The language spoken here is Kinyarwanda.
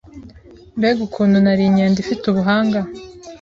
Mbega ukuntu nari inkende ifite ubuhanga